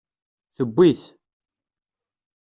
Tewwi-t.